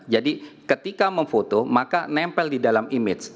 jadi ketika memfoto maka nempel di dalam image